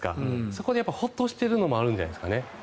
そこでホッとしてるのもあるんじゃないですかね。